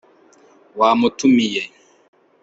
wamutumiye